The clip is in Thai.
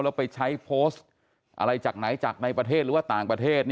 แล้วไปใช้โพสต์อะไรจากไหนจากในประเทศหรือว่าต่างประเทศ